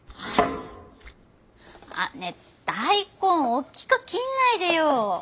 あねえ大根おっきく切んないでよ。